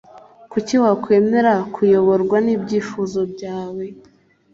kuki wakwemera kuyoborwa n ibyifuzo byawe